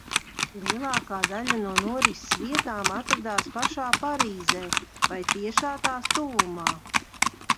Lielākā daļa no norises vietām atradās pašā Parīzē vai tiešā tās tuvumā.